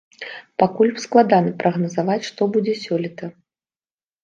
Пакуль складана прагназаваць, што будзе сёлета.